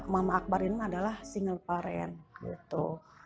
mama akbar ini adalah single parent gitu